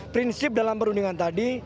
prinsip dalam perundingan tadi